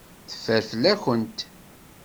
Teffer fell-akent.